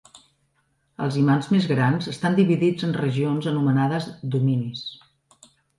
Els imants més grans estan dividits en regions anomenades "dominis".